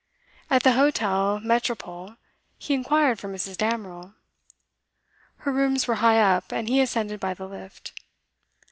At the Hotel Metropole he inquired for Mrs. Damerel; her rooms were high up, and he ascended by the lift.